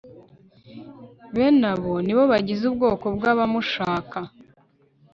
bene abo ni bo bagize ubwoko bw'abamushaka